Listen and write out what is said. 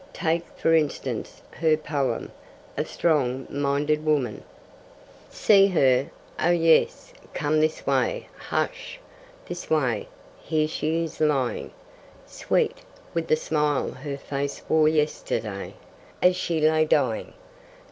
Take, for instance, her poem, A Strong minded Woman: See her? Oh, yes! Come this way hush! this way, Here she is lying, Sweet with the smile her face wore yesterday, As she lay dying.